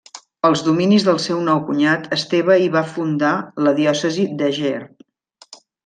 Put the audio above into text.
Als dominis del seu nou cunyat, Esteve hi va fundar la diòcesi d'Eger.